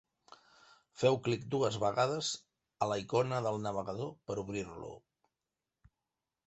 Feu clic dues vegades a la icona del navegador per obrir-lo.